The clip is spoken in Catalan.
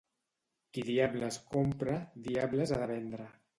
Qui diables compra, diables ha de vendre.